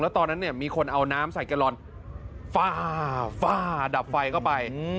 ตอนนั้นเนี่ยมีคนเอาน้ำใส่แกลลอนฝ้าดับไฟเข้าไป